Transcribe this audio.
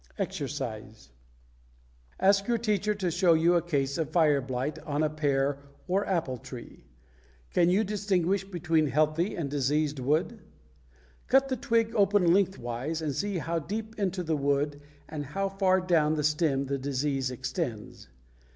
=EXERCISE= Ask your teacher to show you a case of fire blight on a pear or apple tree. Can you distinguish between healthy and diseased wood? Cut the twig open lengthwise and see how deep into the wood and how far down the stem the disease extends.